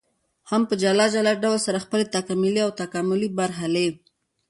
هم په جلا جلا ډول سره خپلي تکمیلي او تکاملي مرحلې